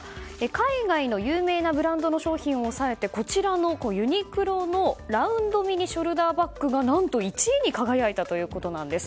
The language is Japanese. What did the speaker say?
海外の有名なブランドの商品を抑えてこちらのユニクロのラウンドミニショルダーバッグが何と、１位に輝いたということなんです。